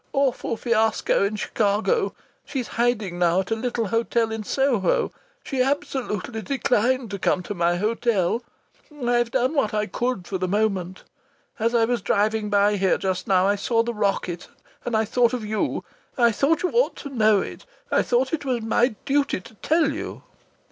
Awful fiasco in Chicago! She's hiding now at a little hotel in Soho. She absolutely declined to come to my hotel. I've done what I could for the moment. As I was driving by here just now I saw the rocket and I thought of you. I thought you ought to know it. I thought it was my duty to tell you."